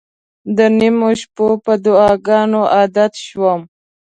د نیمو شپو په دعاګانو عادت شوم.